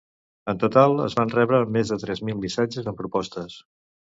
En total, es van rebre més de tres mil missatges amb propostes.